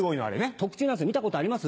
特注なんです見たことあります？